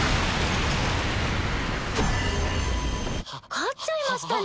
勝っちゃいましたね。